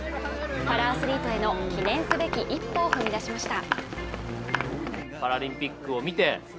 パラアスリートへの記念すべき一歩を踏み出しました。